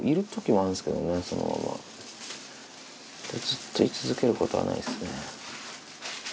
ずっと居続けることはないですね。